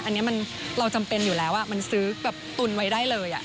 อันนี้เราจำเป็นอยู่แล้วมันซื้อแบบตุนไว้ได้เลย